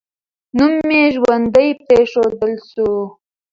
نوم یې ژوندی پرېښودل سو.